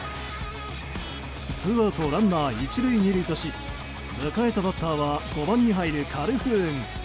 ツーアウトランナー１塁２塁とし迎えたバッターは５番に入るカルフーン。